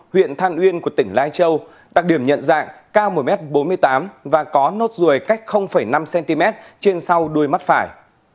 huyện than uyên của tỉnh lai châu đặc điểm nhận dạng cao một m bốn mươi tám và có nốt ruồi cách năm cm trên sau đuôi mắt phải